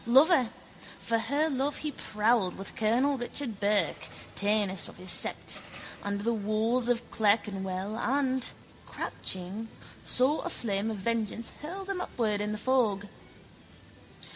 Lover, for her love he prowled with colonel Richard Burke, tanist of his sept, under the walls of Clerkenwell and, crouching, saw a flame of vengeance hurl them upward in the fog.